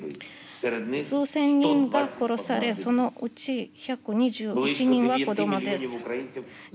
数千人が殺されそのうち、１２１人は子供です。